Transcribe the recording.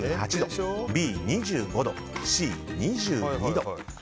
Ａ、２８度Ｂ、２５度Ｃ、２２度。